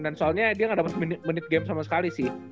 dan soalnya dia nggak dapat minute game sama sekali sih